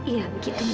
iya begitu mila